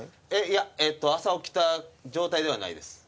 いや朝起きた状態ではないです。